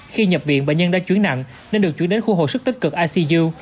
khi nhập viện bệnh nhân đã chuyển nặng nên được chuyển đến khu hồi sức tích cực icu